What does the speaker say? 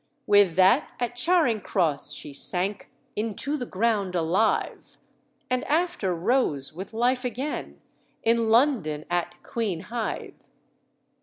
With that at Charing Cross she sank Into the ground alive, And after rose with life again, In London at Queenhithe."